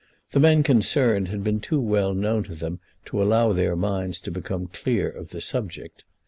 The men concerned had been too well known to them to allow their minds to become clear of the subject.